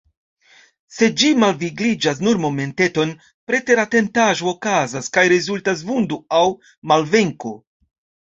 Se ĝi malvigliĝas nur momenteton, preteratentaĵo okazas, kaj rezultas vundo aŭ malvenko.